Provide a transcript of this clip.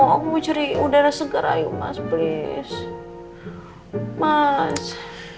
aku mau cari udara segar ayo mas please